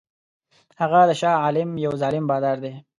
هغه د شاه عالم یو ظالم بادار دی.